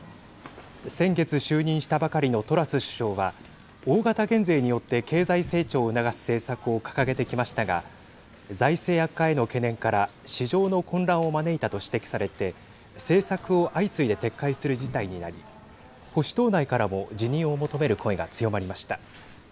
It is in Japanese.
先月、就任したばかりのトラス首相は大型減税によって経済成長を促す政策を掲げてきましたが財政悪化への懸念から市場の混乱を招いたと指摘されて政策を相次いで撤回する事態になり保守党内からも辞任を求める声が強まりました。